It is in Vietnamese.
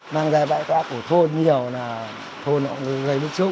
mang ra bãi quá của thôn nhiều là thôn cũng gây bức xúc